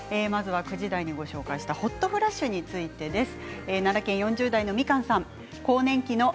９時台にご紹介したホットフラッシュについてです。